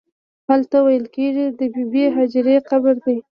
هلته ویل کېږي د بې بي هاجرې قبر دی.